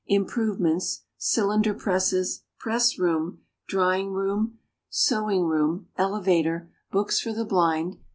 Improvements. Cylinder Presses. Press room. Drying Room. Sewing Room. Elevator. Books for the Blind.